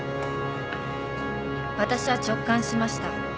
私は直感しました。